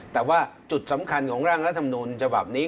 แต่ว่าจุดสำคัญของร่างรัฐมนุนฉบับนี้